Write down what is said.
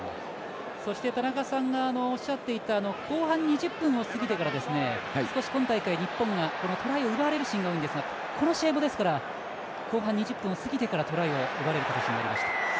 田中さんがおっしゃっていた後半２０分を過ぎてから少し今大会、日本がトライを奪われるシーンが多いんですが、この試合も後半２０分を過ぎてからトライを奪われる形になりました。